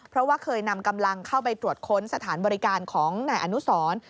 เพราะว่าเคยนำกำลังเข้าไปตรวจค้นสถานบริการของนายอนุสร